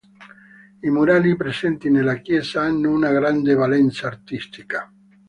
I murali presenti nella chiesa hanno una grande valenza artistica.